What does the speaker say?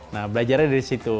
nah belajarnya dari situ